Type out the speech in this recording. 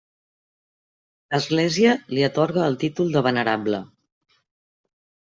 L'Església li atorga el títol de venerable.